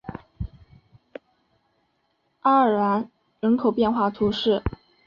阿尔然人口变化图示